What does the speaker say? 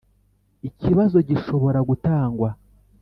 ikibazo gishobora gutangwa